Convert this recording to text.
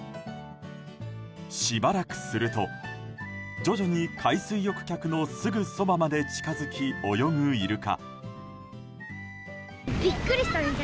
しばらくすると、徐々に海水浴客のすぐそばまで近づき泳ぐイルカ。